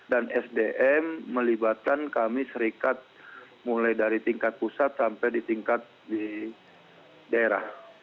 dan sdm melibatkan kami serikat mulai dari tingkat pusat sampai di tingkat daerah